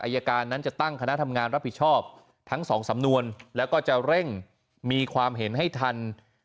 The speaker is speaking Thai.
การนั้นจะตั้งคณะทำงานรับผิดชอบทั้งสองสำนวนแล้วก็จะเร่งมีความเห็นให้ทัน